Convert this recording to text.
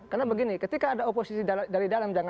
karena begini ketika ada oposisi dari dalam